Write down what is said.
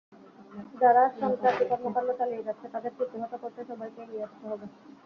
যারা সন্ত্রাসী কর্মকাণ্ড চালিয়ে যাচ্ছে, তাদের প্রতিহত করতে সবাইকে এগিয়ে আসতে হবে।